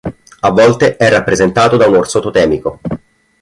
A volte è rappresentato da un orso totemico.